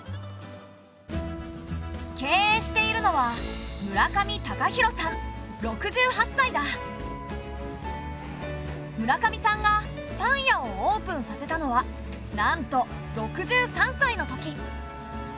経営しているのは村上さんがパン屋をオープンさせたのはなんと６３歳のとき。